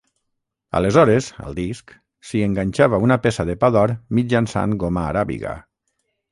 Aleshores, al disc, s'hi enganxava una peça de pa d'or mitjançant goma aràbiga.